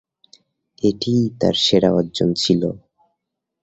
এটিই তার সেরা অর্জন ছিল।